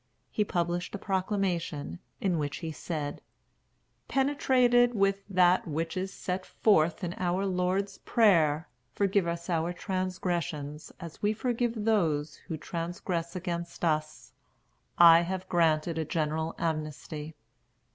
He published a proclamation, in which he said: "Penetrated with that which is set forth in our Lord's Prayer, 'forgive us our transgressions, as we forgive those who transgress against us,' I have granted a general amnesty.